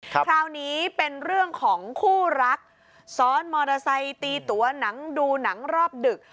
คราวนี้เป็นเรื่องของคู่รักซ้อนมอเตอร์ไซค์ตีตัวหนังดูหนังรอบดึก